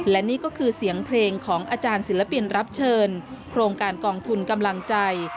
และนี่ก็คือเสียงเพลงของอาจารย์ศิลปินรับเชิญโครงการกองทุนกำลังใจ